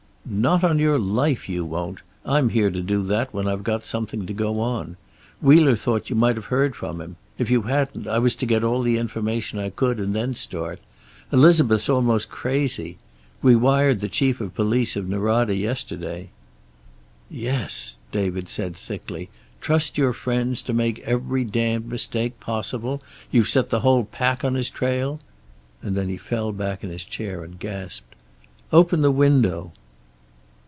"Not on your life you won't. I'm here to do that, when I've got something to go on. Wheeler thought you might have heard from him. If you hadn't, I was to get all the information I could and then start. Elizabeth's almost crazy. We wired the chief of police of Norada yesterday." "Yes!" David said thickly. "Trust your friends to make every damned mistake possible! You've set the whole pack on his trail." And then he fell back in his chair, and gasped, "Open the window!"